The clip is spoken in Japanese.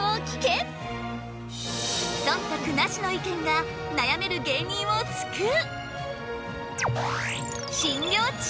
そんたくなしの意見が悩める芸人を救う！